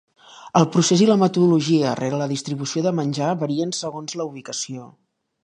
El procés i la metodologia rere la distribució de menjar varien segons la ubicació.